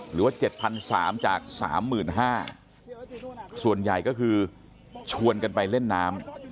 หรือว่า๗๓๐๐จาก๓๕๐๐ส่วนใหญ่ก็คือชวนกันไปเล่นน้ำ